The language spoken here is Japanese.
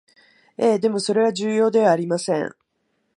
ええ、でもそれは重要ではありません